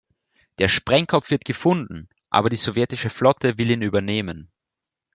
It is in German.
Der Sprengkopf wird gefunden, aber die sowjetische Flotte will ihn übernehmen.